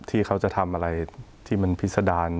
ที่เขาจะทำอะไรที่มันพิษดาร